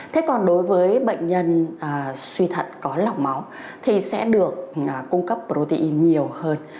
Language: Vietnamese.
thế còn đối với bệnh nhân suy thận có lọc máu thì sẽ được cung cấp protein nhiều hơn